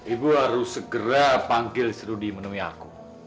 ibu harus segera panggil si rudi menemui aku